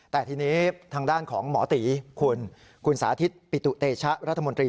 แต่ทีนี้ทางด้านของหมอตีคุณคุณสาธิตปิตุเตชะรัฐมนตรี